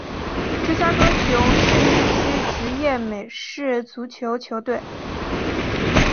芝加哥熊是一支职业美式足球球队。